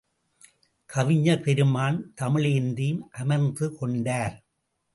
கவிஞர் பெருமான் தமிழேந்தியும் அமர்ந்து கொண்டார்.